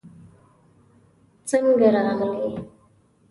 څنګه راغلې؟